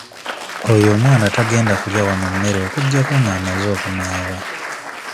Oyo omwana tagenda kulya wanno mmere okuggyako ng'amaze okunaaba.